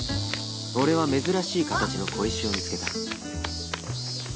俺は珍しい形の小石を見つけた